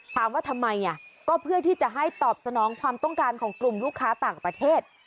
ถามว่าทำไมก็เพื่อที่จะให้ตอบสนองความต้องการของกลุ่มลูกค้าต่างประเทศ